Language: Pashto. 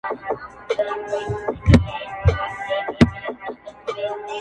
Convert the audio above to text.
د اوښ غلا په چوغه نه کېږي.